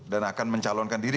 dan akan mencalonkan diri